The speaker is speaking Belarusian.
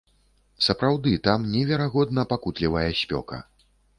Сапраўды, там неверагодна пакутлівая спёка.